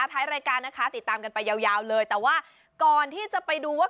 ท้ายรายการนะคะติดตามกันไปยาวเลยแต่ว่าก่อนที่จะไปดูว่า